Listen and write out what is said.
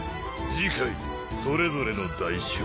次回それぞれの代償